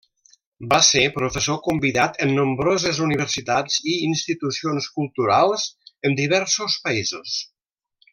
Va ser professor convidat en nombroses universitats i institucions culturals en diversos països.